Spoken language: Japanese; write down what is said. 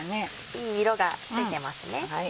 いい色がついてますね。